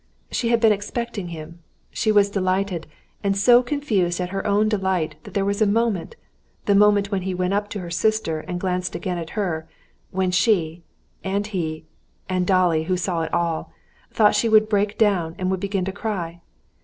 She had been expecting him. She was delighted, and so confused at her own delight that there was a moment, the moment when he went up to her sister and glanced again at her, when she, and he, and Dolly, who saw it all, thought she would break down and would begin to cry.